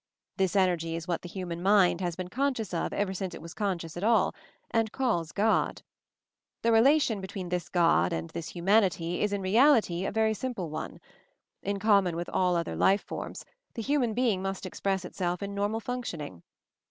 This Energy is what the human mind has been conscious of ever since it was conscious at all; and calls God. The relation between this God and this Humanity is in reality a very simple one. In common with all other life forms, the human being must express itself in normal functioning.